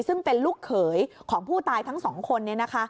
ซึ่งเป็นลูกเขยของผู้ตายทั้งสองคน